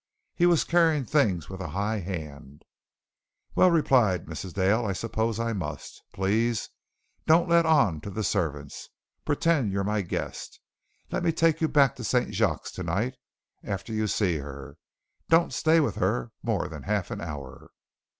He was carrying things with a high hand. "Well," replied Mrs. Dale, "I suppose I must. Please don't let on to the servants. Pretend you're my guest. Let me take you back to St. Jacques tonight, after you see her. Don't stay with her more than half an hour."